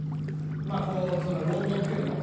まあこう楼門っていうの？